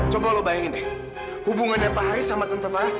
coba lo bayangin deh hubungan yang pak haris sama tante farah